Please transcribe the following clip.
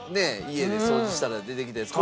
家で掃除したら出てきたやつ。